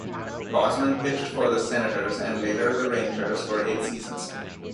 Bosman pitched for the Senators, and later the Rangers, for eight seasons.